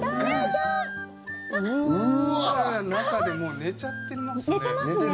中で寝ちゃってますね。